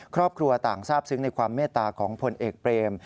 ครอบครัวต่างทราบซึ้งในความเมตตาของผลเอกเปรม